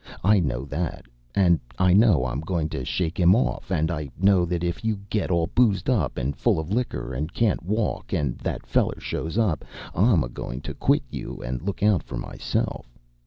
I know that. And I know I'm goin' to shake him off. And I know that if you get all boozed up, and full of liquor, and can't walk, and that feller shows up, I'm a goin' to quit you and look out for myself.